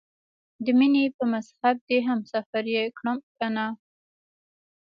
د مینې په مذهب دې هم سفر یې کړم کنه؟